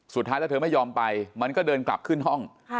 สุดท้ายแล้วเธอไม่ยอมไปมันก็เดินกลับขึ้นห้อง